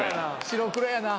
白黒やな。